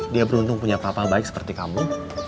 dia beruntung punya papa baik seperti kamu